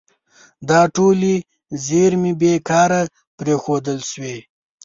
دا ټولې زیرمې بې کاره پرېښودل شوي.